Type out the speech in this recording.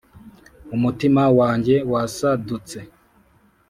umutima wanjye wasadutse;